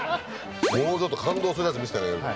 もうちょっと感動するやつ見せてあげる。